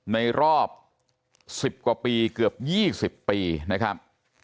ในรอบ๑๐กว่าปีเกือบ๒๐ปีนะครับ